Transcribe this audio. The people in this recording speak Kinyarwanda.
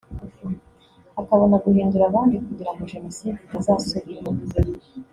akabona guhindura abandi kugira ngo Jenoside itazasubira